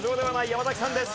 山崎さんです。